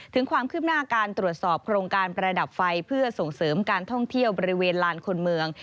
ถึงความคืบหน้าการตรวจสอบโครงการประดับไฟเพื่อส่งเสริมการท่องเที่ยวบริเวณลานคนเมือง